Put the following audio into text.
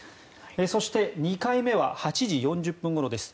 そして、２回目は８時４０分ごろです。